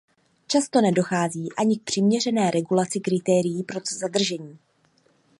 Často nedochází ani k přiměřené regulaci kritérií pro zadržení.